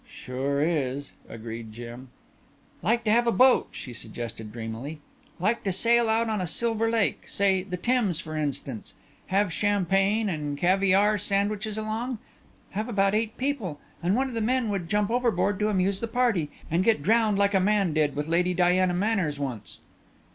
"Sure is," agreed Jim. "Like to have boat," she suggested dreamily. "Like to sail out on a silver lake, say the Thames, for instance. Have champagne and caviare sandwiches along. Have about eight people. And one of the men would jump overboard to amuse the party, and get drowned like a man did with Lady Diana Manners once."